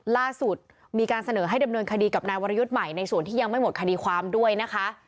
ล่าสุดมีการเสนอให้ดำเนินคดีกับนายวรยุทธ์ใหม่ในส่วนที่ยังไม่หมดคดีความด้วยนะคะ